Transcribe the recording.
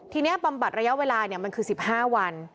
ทีนี้บำบัดระยะเวลามันคือ๑๕วัน